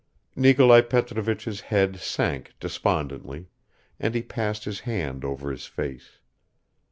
Nikolai Petrovich's head sank despondently, and he passed his hand over his face.